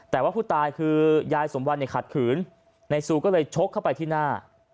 แต่ว่าผู้ตายคือยายสมวันเนี่ยขัดขืนนายซูก็เลยชกเข้าไปที่หน้า